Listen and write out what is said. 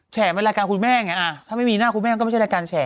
เป็นรายการคุณแม่ไงถ้าไม่มีหน้าคุณแม่ก็ไม่ใช่รายการแฉ